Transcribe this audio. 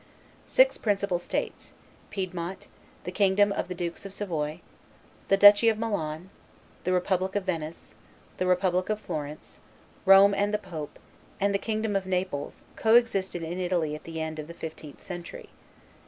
Six principal states, Piedmont, the kingdom of the Dukes of Savoy; the duchy of Milan; the republic of Venice; the republic of Florence; Rome and the pope; and the kingdom of Naples, co existed in Italy at the end of the fifteenth century.